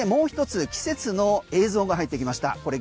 そしてもう一つ季節の映像が入ってきました。